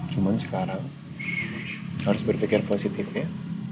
cuma sekarang harus berpikir positif ya